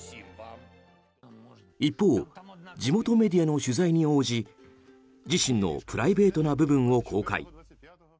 一方、地元メディアの取材に応じ自身のプライベートな部分を公開。